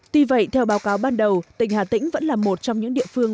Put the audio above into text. tuy vậy theo báo cáo ban đầu tỉnh hà tĩnh vẫn là một trong những địa phương